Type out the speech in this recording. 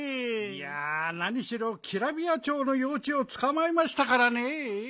いやなにしろキラビヤチョウのようちゅうをつかまえましたからねえ。